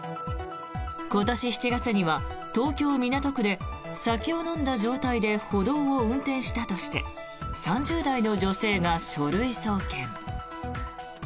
今年７月には東京・港区で酒を飲んだ状態で歩道を運転したとして３０代の女性が書類送検。